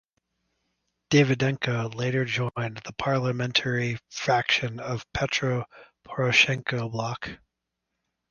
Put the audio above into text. Davydenko later joined the parliamentary faction of Petro Poroshenko Bloc.